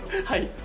はい。